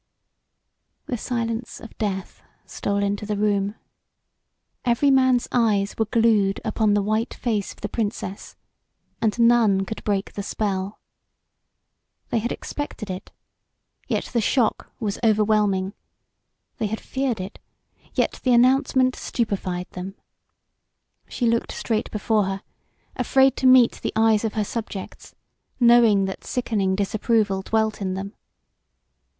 The silence of death stole into the room. Every man's eyes were glued upon the white face of the Princess and none could break the spell. They had expected it, yet the shock was overwhelming; they had feared it, yet the announcement stupefied them. She looked straight before her, afraid to meet the eyes of her subjects, knowing that sickening disapproval dwelt in them.